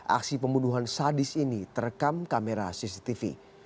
aksi pembunuhan sadis ini terekam kamera cctv